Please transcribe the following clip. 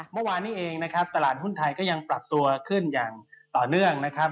เมื่อวานนี้เองนะครับตลาดหุ้นไทยก็ยังปรับตัวขึ้นอย่างต่อเนื่องนะครับ